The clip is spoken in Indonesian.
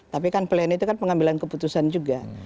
tapi kan pleno itu pengambilan keputusan juga